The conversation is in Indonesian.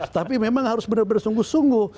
tapi memang harus benar benar sungguh sungguh